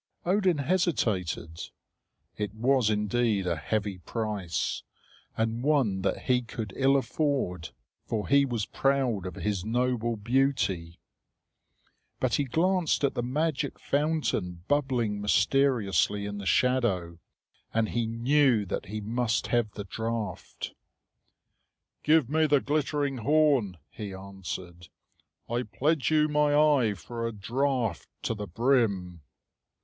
Odin hesitated. It was indeed a heavy price, and one that he could ill afford, for he was proud of his noble beauty. But he glanced at the magic fountain bubbling mysteriously in the shadow, and he knew that he must have the draught. "Give me the glittering horn," he answered. "I pledge you my eye for a draught to the brim."